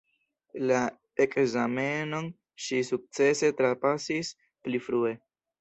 La ekzamenon ŝi sukcese trapasis pli frue.